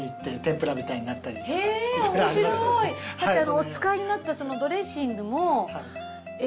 お使いになったドレッシングも。